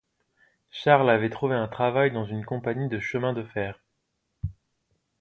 Charles avait trouvé un travail dans une compagnie de chemin de fer.